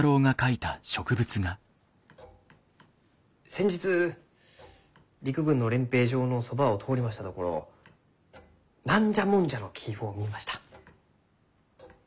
先日陸軍の練兵場のそばを通りましたところナンジャモンジャの木を見ました。